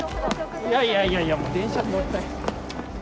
いやいやいやいやもう電車に乗りたい。